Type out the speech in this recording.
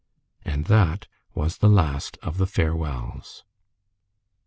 And that was the last of the farewells.